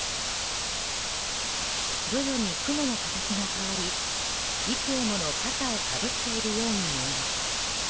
徐々に雲の形が変わり幾重もの笠をかぶっているように見えます。